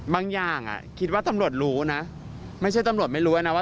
บางอย่างคิดว่าตำรวจรู้นะไม่ใช่ตำรวจไม่รู้นะว่า